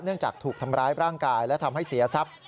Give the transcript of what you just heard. จากถูกทำร้ายร่างกายและทำให้เสียทรัพย์